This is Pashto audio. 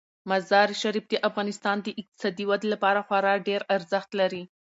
مزارشریف د افغانستان د اقتصادي ودې لپاره خورا ډیر ارزښت لري.